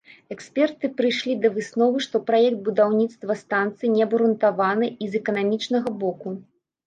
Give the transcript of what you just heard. Эксперты прыйшлі да высновы, што праект будаўніцтва станцыі неабгрунтаваны і з эканамічнага боку.